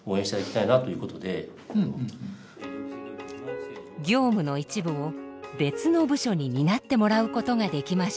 業務の一部を別の部署に担ってもらうことができました。